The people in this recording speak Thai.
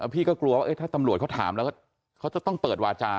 พี่ก็กลัวว่าถ้าตำรวจเขาถามแล้วเขาจะต้องเปิดวาจา